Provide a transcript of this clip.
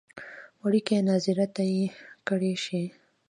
وړکیه ناظره ته یې کړی شې.